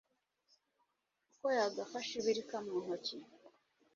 uko yagafashe ibirika mu ntoki